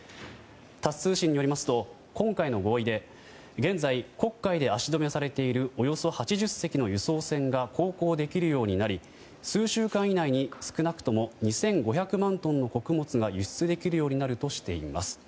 タス通信によりますと今回の合意で現在、黒海で足止めされているおよそ８０隻の輸送船が航行できるようになり数週間以内に少なくとも２５００万トンの穀物が輸出できるようになるとしています。